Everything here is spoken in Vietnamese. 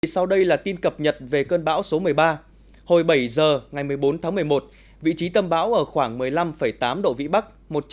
sau đây là tin cập nhật về cơn bão số một mươi ba hồi bảy giờ ngày một mươi bốn tháng một mươi một vị trí tâm bão ở khoảng một mươi năm tám độ vĩ bắc